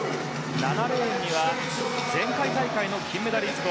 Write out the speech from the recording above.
７レーンには前回大会の金メダリスト